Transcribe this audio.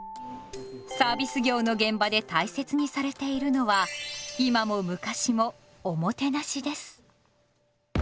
サービス業の現場で大切にされているのは今も昔もおもてなしです。